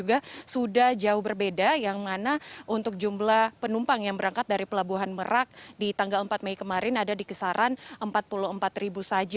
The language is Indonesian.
angka ini tentunya sudah naik signifikan dari jumlah penumpang yang tiba di pelabuhan merak dibandingkan juga dengan hari hari sebelumnya yang ada di kisaran dua puluh hingga tiga puluh ribu